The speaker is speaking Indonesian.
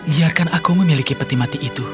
biarkan aku memiliki peti mati itu